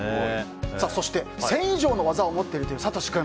そして、１０００以上の技を持っているというサトシ君。